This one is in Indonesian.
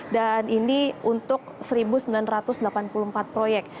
dan ini untuk seribu sembilan ratus delapan puluh empat proyek